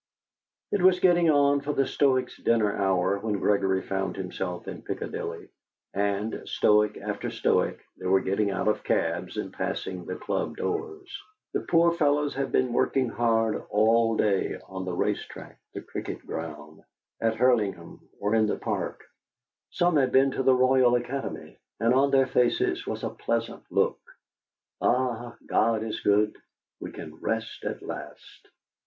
It was getting on for the Stoics' dinner hour when Gregory found himself in Piccadilly, and, Stoic after Stoic, they were getting out of cabs and passing the club doors. The poor fellows had been working hard all day on the racecourse, the cricket ground, at Hurlingham, or in the Park; some had been to the Royal Academy, and on their faces was a pleasant look: "Ah, God is good we can rest at last!"